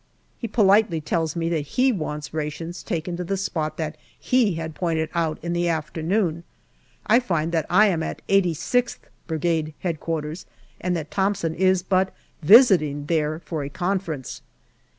He politely tells me that he wants rations taken to the spot that he had pointed out in the afternoon. I find that I am at 86th Brigade H Q., and that Thomson is but visiting there for a conference.